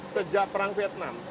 sejak perang vietnam